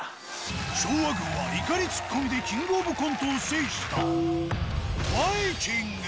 昭和軍は怒りツッコミでキングオブコントを制した、バイきんぐ。